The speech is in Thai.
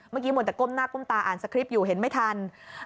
เมื่อกี้หมดแต่ก้มหน้าก้มตาอ่านสคริปต์อยู่เห็นไม่ทัน